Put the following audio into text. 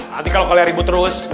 nanti kalau kalian ribut terus